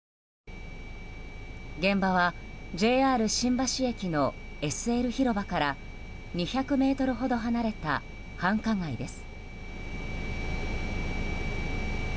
現場はＪＲ新橋駅のＳＬ広場から２００ｍほど離れた繁華街です。